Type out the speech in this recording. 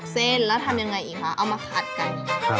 เส้นแล้วทำยังไงอีกคะเอามาขัดกัน